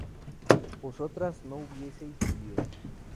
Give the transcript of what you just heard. vosotras no hubieseis vivido